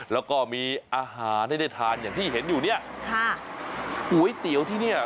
แล้วก็มีอาหารให้ได้ทานอย่างที่เห็นอยู่เนี่ยค่ะก๋วยเตี๋ยวที่เนี้ย